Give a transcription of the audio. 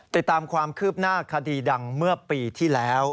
ติดตามความคืบหน้าคดีดังเมื่อปีที่แล้ว